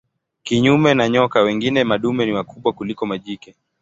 Kinyume na nyoka wengine madume ni wakubwa kuliko majike.